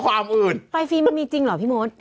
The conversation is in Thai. ไฟฟรีไม่มีจริงเหรอพี่โมท